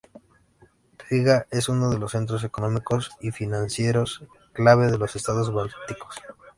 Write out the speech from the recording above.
Riga es uno de los centros económicos y financieros clave de los estados bálticos.